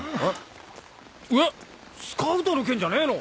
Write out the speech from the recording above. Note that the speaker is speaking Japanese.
えっスカウトの件じゃねえの？